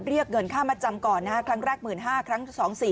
เรียกเงินค่ามัดจำก่อนนะครับครั้งแรก๑๕๐๐๐ครั้ง๒๔๐๐๐๐